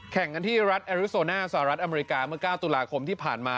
แข่งกันที่รัฐแอริโซน่าสหรัฐอเมริกาเมื่อ๙ตุลาคมที่ผ่านมา